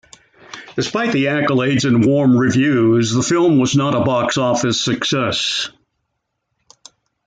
Despite the accolades and warm reviews, the film was not a box office success.